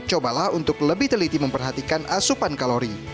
cobalah untuk lebih teliti memperhatikan asupan kalori